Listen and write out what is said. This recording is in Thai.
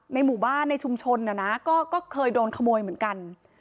ในหมู่บ้านในชุมชนก็เคยโดนขโมยเหมือนกัน